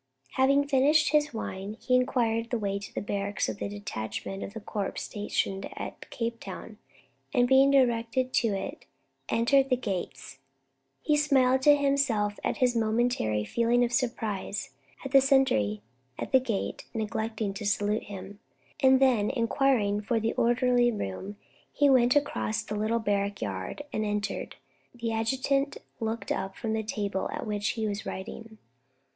Having finished his wine, he inquired the way to the barracks of the detachment of the corps stationed at Cape Town, and being directed to it, entered the gates. He smiled to himself at his momentary feeling of surprise at the sentry at the gate neglecting to salute him, and then inquiring for the orderly room, he went across the little barrack yard and entered. The adjutant looked up from the table at which he was writing.